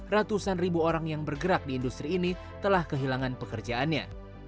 ratusan ribu orang yang bergerak di industri ini telah kehilangan pekerjaannya